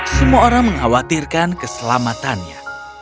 semua orang mengkhawatirkan keselamatannya